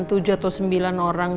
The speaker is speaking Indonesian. tujuh atau sembilan orang